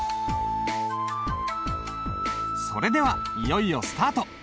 それではいよいよスタート！